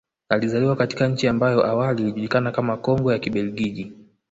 Alizaliwa katika nchi ambayo awali ilijukana kama Kongo ya Kibelgiji